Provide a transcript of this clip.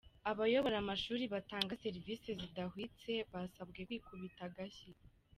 Abayobora amashuri batanga serivisi zidahwitse basabwe kwikubita agashyi